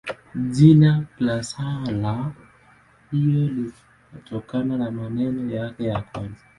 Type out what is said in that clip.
Jina la sala hiyo linatokana na maneno yake ya kwanza.